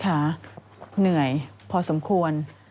เหนื่อยพอสมควร